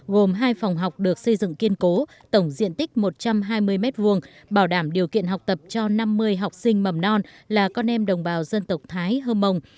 gồm hai phòng học được xây dựng kiên cố tổng diện tích một trăm hai mươi m hai bảo đảm điều kiện học tập cho năm mươi học sinh mầm non là con em đồng bào dân tộc thái hơ mông